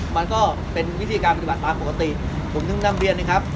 มันก็เป็นวิธีการปฏิบัติตามปกติผมถึงนำเรียนนะครับ